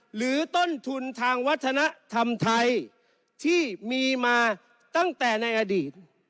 หรือต้นทุนทางวัฒนธรรมไทยที่มีมาตั้งแต่ในอดีต